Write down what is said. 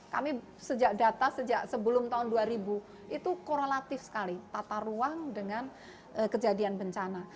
kami sejak data sejak sebelum tahun dua ribu itu korelatif sekali tata ruang dengan kejadian bencana